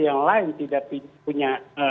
yang lain tidak punya